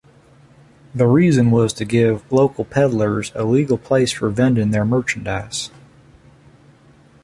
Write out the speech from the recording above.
The reason was to give local pedlars a legal place for vending their merchandise.